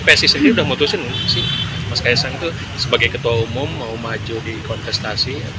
psi sendiri udah memutuskan sih mas kaisang itu sebagai ketua umum mau maju di kontestasi